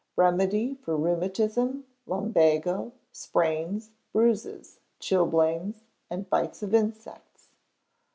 Remedy for Rheumatism, Lumbago, Sprains, Bruises, Chilblains, and Bites of Insects.